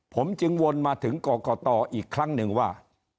ผมจึงวนมาถึงกรกตอีกครั้งหนึ่งว่า